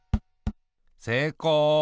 せいこう。